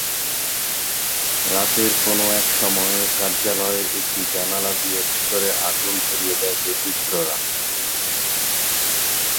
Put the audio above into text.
রাতের কোনো একসময়ে কার্যালয়ের একটি জানালা দিয়ে ভেতরে আগুন ধরিয়ে দেয় দুর্বৃত্তরা।